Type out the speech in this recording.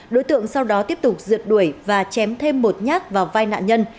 đối tượng sau đó tiếp tục rượt đuổi và chém thêm một nhát vào vai nạn nhân